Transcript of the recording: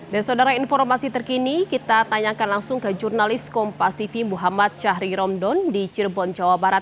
saudara informasi terkini kita tanyakan langsung ke jurnalis kompas tv muhammad syahri romdon di cirebon jawa barat